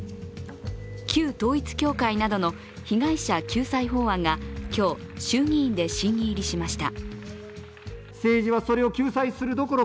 旧統一教会などの被害者救済法案が今日、衆議院で審議入りしました。